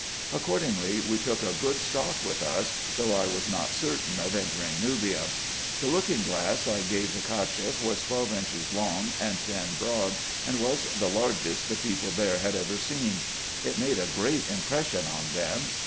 Accordingly we took a good stock with us, though I was not certain of entering Nubia. The looking glass I gave the Cacheff was twelve inches long and ten broad, and was the largest the people there had ever seen. It made a great impression on them.